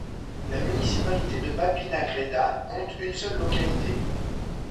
La municipalité de Babina Greda compte une seule localité.